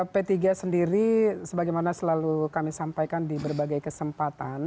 p tiga sendiri sebagaimana selalu kami sampaikan di berbagai kesempatan